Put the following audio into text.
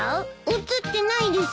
写ってないです